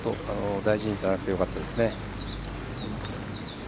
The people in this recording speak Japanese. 大事に至らなくてよかったですね。